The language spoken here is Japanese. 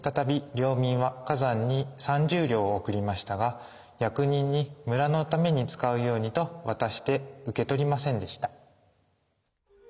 領民は崋山に三十両を贈りましたが役人に「村のために使うように」と渡して受け取りませんでした。